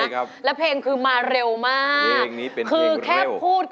ใช่ครับ